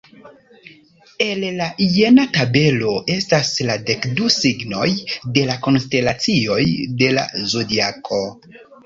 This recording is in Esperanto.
En la jena tabelo estas la dekdu signoj de la konstelacioj de la zodiako.